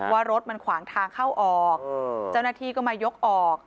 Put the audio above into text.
ว่ารถมันขวางทางเข้าออกเจ้าหน้าที่ก็มายกออก